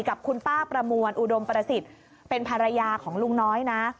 กับคุณป้าประมวลอุดมประสิทธิ์เป็นภรรยาของลุงน้อยนะ